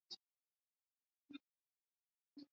je watamsaidia aa kupata